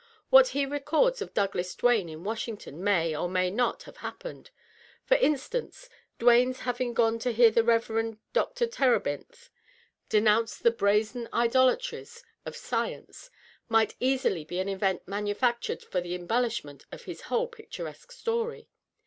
What he records of Douglas Duane in Wash ington may or may not have happened. For instance, Duane's having gone to hear the Rev. Dr. Terebinth denounce the brazen idolatries of science might easily be an event manufactured for the embellishment of his whole picturesque story.